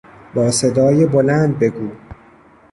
با صدای بلند بگو!